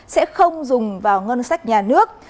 sẽ không dùng vào ngân sách nhà nước